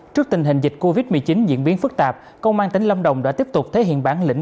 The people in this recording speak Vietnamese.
trước tình hình dịch covid một mươi chín diễn biến phức tạp công an tỉnh lâm đồng đã tiếp tục thể hiện bản lĩnh